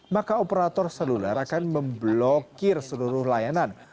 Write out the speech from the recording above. maka operator seluler akan memblokir seluruh layanan